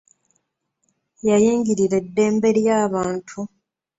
Yayingirira eddembe ly'abantu.